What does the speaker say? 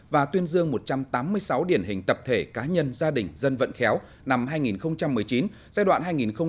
và tuyên dương một trăm tám mươi sáu điển hình tập thể cá nhân gia đình dân vận khéo năm hai nghìn một mươi chín giai đoạn hai nghìn chín hai nghìn một mươi chín